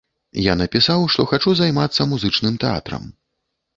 Я напісаў, што хачу займацца музычным тэатрам.